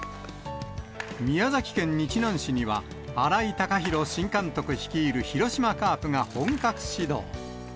宮崎県日南市には、新井貴浩新監督率いる広島カープが本格始動。